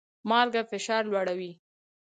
مالګه فشار لوړوي